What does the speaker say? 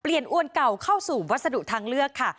อวนเก่าเข้าสู่วัสดุทางเลือกค่ะ